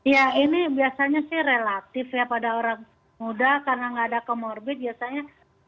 ya ini biasanya sih relatif ya pada orang muda karena nggak ada comorbid biasanya